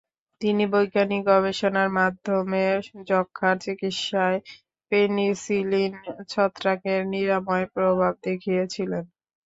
তিনি বৈজ্ঞানিক গবেষণার মাধ্যমে যক্ষার চিকিৎসায় পেনিসিলিন ছত্রাকের নিরাময় প্রভাব দেখিয়েছিলেন।